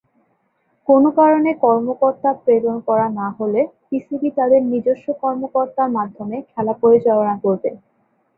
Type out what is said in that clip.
কোন কারণে কর্মকর্তা প্রেরণ করা না হলে পিসিবি তাদের নিজস্ব কর্মকর্তার মাধ্যমে খেলা পরিচালনা করবে।